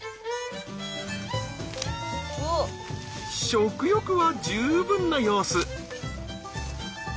食欲は十分な様子。